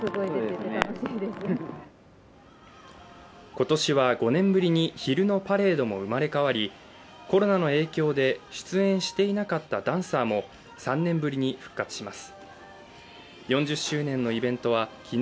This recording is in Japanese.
今年は５年ぶりに昼のパレードも生まれ変わりコロナの影響で出演していなかったダンサーも３年ぶりに復活します